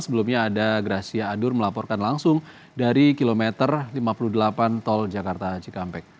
sebelumnya ada gracia adur melaporkan langsung dari kilometer lima puluh delapan tol jakarta cikampek